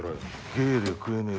芸で食えねえ